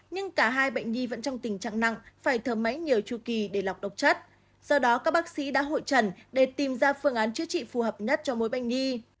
nhưng cả hai bệnh nhi vẫn trong tình trạng nặng phải thở máy nhiều tru kỳ để lọc độc chất do đó các bác sĩ đã hội trần để tìm ra phương án chữa trị phù hợp nhất cho mỗi bệnh nhi